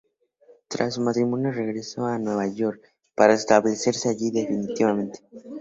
Tras su matrimonio, regresó a Nueva York para establecerse allí definitivamente.